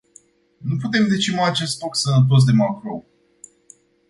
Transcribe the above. Nu putem decima acest stoc sănătos de macrou.